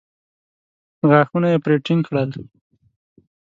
غاښونه يې پرې ټينګ کړل.